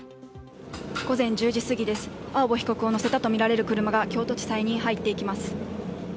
午前１０時すぎです、青葉被告を乗せたとみられる車が京都地裁に入っていきます。